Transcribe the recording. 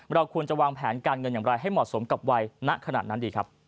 เราควรจะวางแผนการเงินอย่างไรให้เหมาะสมกับวัยณขนาดนั้นดีครับ